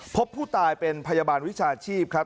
พบผู้ตายเป็นพยาบาลวิชาชีพครับ